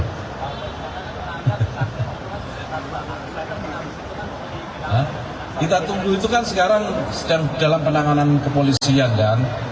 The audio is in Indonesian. kita tunggu itu kan sekarang sedang dalam penanganan kepolisian kan